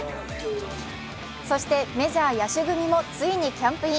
そしてメジャー野手組もついにキャンプイン。